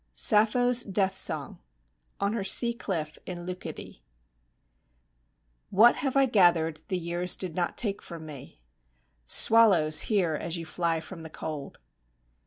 SAPPHO'S DEATH SONG (On her sea cliff in Leucady) What have I gathered the years did not take from me? (Swallows, hear, as you fly from the cold!)